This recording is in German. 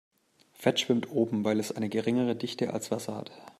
Fett schwimmt oben, weil es eine geringere Dichte als Wasser hat.